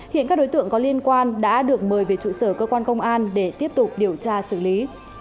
hiện các đối tượng có liên quan đã được mời về trụ sở cơ quan công an để tiếp tục điều tra xử lý